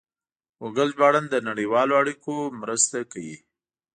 ګوګل ژباړن د نړیوالو اړیکو مرسته کوي.